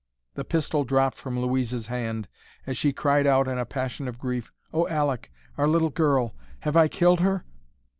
The pistol dropped from Louise's hand as she cried out in a passion of grief, "Oh, Aleck! Our little girl! Have I killed her?"